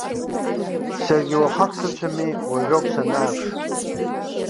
Саргьы уахак сыцәами, уажәоуп санааԥш.